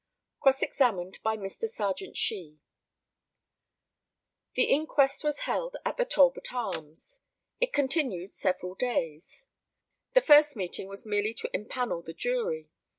Cross examined by Mr. Serjeant SHEE: The inquest was held at the Talbot Arms. It continued several days. The first meeting was merely to empannel the jury.